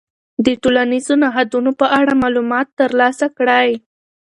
د ټولنیزو نهادونو په اړه معلومات ترلاسه کړئ.